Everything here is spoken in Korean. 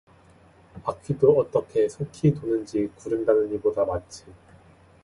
바퀴도 어떻게 속히 도는지 구른다느니보다 마치